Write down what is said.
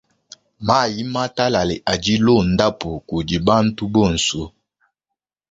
Mayi matalale adi londapu kudi bantu bonso.